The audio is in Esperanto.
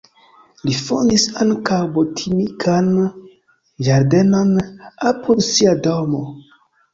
Li fondis ankaŭ botanikan ĝardenon apud sia domo.